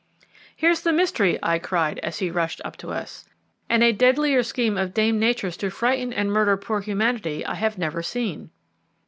"Here's the mystery," I cried as he rushed up to us, "and a deadlier scheme of Dame Nature's to frighten and murder poor humanity I have never seen."